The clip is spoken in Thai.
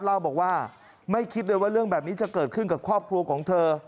เล่าบอกว่าไม่คิดเลยว่าเรื่องแบบนี้จะเกิดขึ้นกับครอบครัวของเธอ